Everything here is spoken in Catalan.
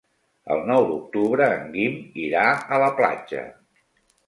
El nou d'octubre en Guim irà a la platja.